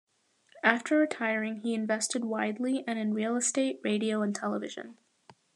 After retiring, he invested widely and in real estate, radio, and television.